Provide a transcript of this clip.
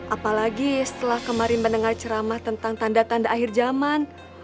apalagi setelah kemarin mendengar ceramah tentang tanda tanda akhir jaman